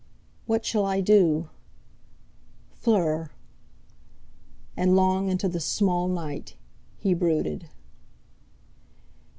What shall I do? Fleur!' And long into the "small" night he brooded.